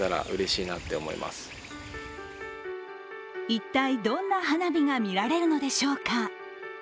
一体、どんな花火が見られるのでしょうか。